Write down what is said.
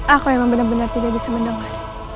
aku memang benar benar tidak bisa mendengar